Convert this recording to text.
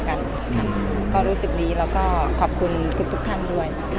กันค่ะก็รู้สึกดีแล้วก็ขอบคุณทุกทุกท่านด้วยนะคะ